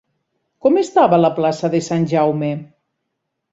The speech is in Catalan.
Com estava la plaça de Sant Jaume?